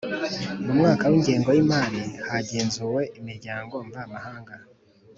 Mu mwaka w ingengo y imari hagenzuwe Imiryango mvamahanga